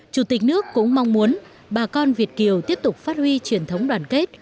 chủ tịch nước cũng mong muốn bà con việt kiều tiếp tục phát huy truyền thống đoàn kết